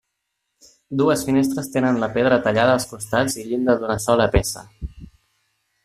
Dues finestres tenen la pedra tallada als costats i llinda d'una sola peça.